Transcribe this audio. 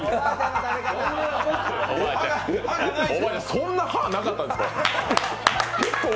そんな歯なかったんですか？